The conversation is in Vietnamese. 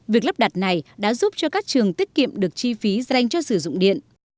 việc lắp đặt này đã giúp cho các trường tiết kiệm được chi phí dành cho sử dụng điện